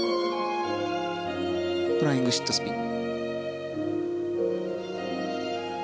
フライングシットスピン。